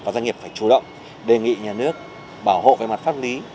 và doanh nghiệp phải chủ động đề nghị nhà nước bảo hộ về mặt pháp lý